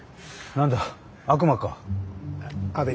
何だ悪魔か。